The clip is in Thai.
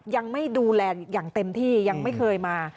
ยังไม่ดูแลอย่างเต็มที่ยังไม่เคยมา